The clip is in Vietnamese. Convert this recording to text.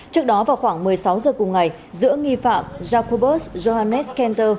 trước đó vào khoảng một mươi sáu giờ cùng ngày giữa nghi phạm jacobus johannes canter